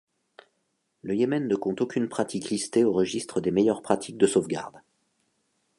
Le Yémen ne compte aucune pratique listée au registre des meilleures pratiques de sauvegarde.